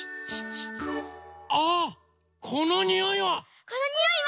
あっこのにおいは！